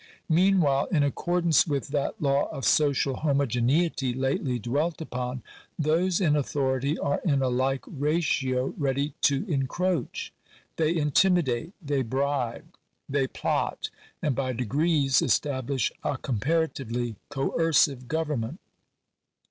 Meanwhile, in accordance with that law of social homogeneity lately dwelt upon, those in au thority are in a like ratio ready to encroach. They intimidate, they bribe, they plot, and by degrees establish a comparatively coercive government.